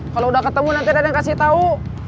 kalau udah ketemu nanti deden kasih tau